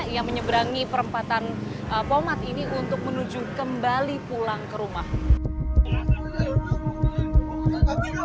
ia menyeberangi perempatan pomat ini untuk menuju kembali pulang ke rumah